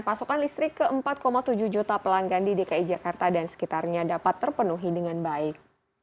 pasokan listrik ke empat tujuh juta pelanggan di dki jakarta dan sekitarnya dapat terpenuhi dengan baik